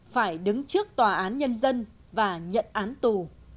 phải đứng trước tòa án nhân dân và nhận án tù